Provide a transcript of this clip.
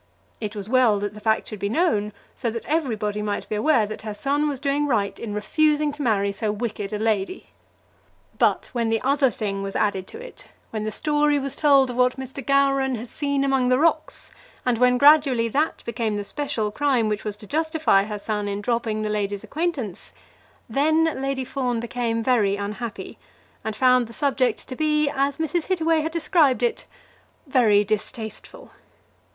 It was well that the fact should be known, so that everybody might be aware that her son was doing right in refusing to marry so wicked a lady. But when the other thing was added to it; when the story was told of what Mr. Gowran had seen among the rocks, and when gradually that became the special crime which was to justify her son in dropping the lady's acquaintance, then Lady Fawn became very unhappy, and found the subject to be, as Mrs. Hittaway had described it, very distasteful.